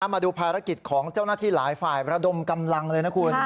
มาดูภารกิจของเจ้าหน้าที่หลายฝ่ายระดมกำลังเลยนะคุณ